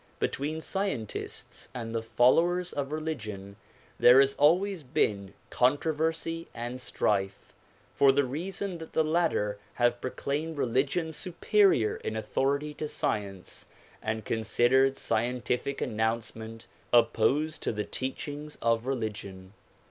Between scientists and the followers of religion there has always been con troversy and strife for the reason that the latter have proclaimed religion superior in authority to science and considered scientific announcement opposed to the teachings of religion.